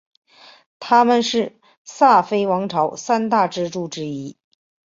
他们是萨非王朝三大支柱之一。